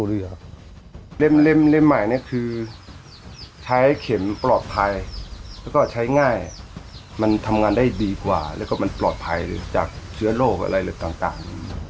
เล่มใหม่นี้คือใช้เข็มปลอดภัยและใช้ง่ายมันทำงานได้ดีกว่าและปลอดภัยจากเชื้อโรคอะไรต่าง